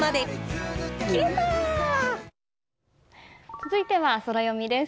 続いてはソラよみです。